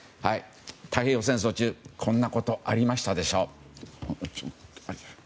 太平洋戦争中にこんなことがありましたでしょ。